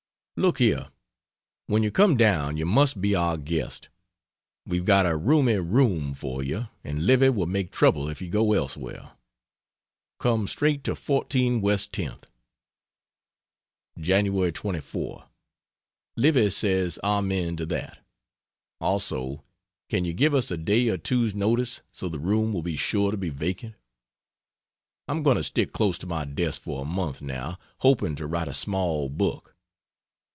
Look here when you come down you must be our guest we've got a roomy room for you, and Livy will make trouble if you go elsewhere. Come straight to 14 West 10th. Jan. 24. Livy says Amen to that; also, can you give us a day or two's notice, so the room will be sure to be vacant? I'm going to stick close to my desk for a month, now, hoping to write a small book.